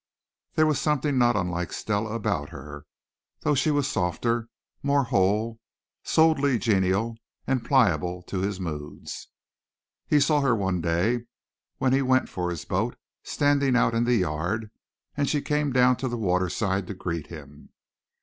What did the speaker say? There was something not unlike Stella about her, though she was softer, more whole souledly genial and pliable to his moods. He saw her one day, when he went for his boat, standing out in the yard, and she came down to the waterside to greet him.